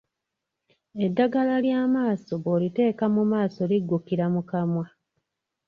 Eddagala ly'amaaso bw'oliteeka mu maaso liggukira mu kamwa.